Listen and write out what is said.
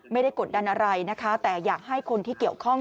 กดดันอะไรนะคะแต่อยากให้คนที่เกี่ยวข้อง